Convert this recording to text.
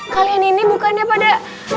kalian ini bukannya pada